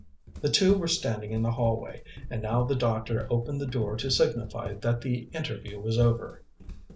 The two were standing in the hallway, and now the doctor opened the door to signify that the interview was over.